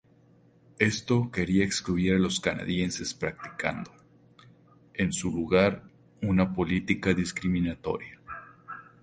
Esto quería excluir a los canadienses practicando, en su lugar, una política discriminatoria.